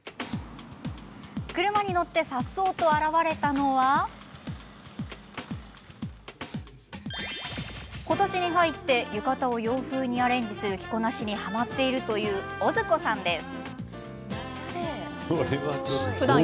車に乗ってさっそうと現れたのは今年に入って浴衣を洋風にアレンジする着こなしにはまっているというオズコさんです。